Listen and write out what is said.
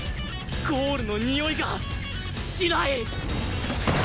ゴールのにおいがしない！